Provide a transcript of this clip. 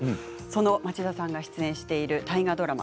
町田さんが出演している大河ドラマ